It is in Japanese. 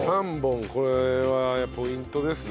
これはポイントですね。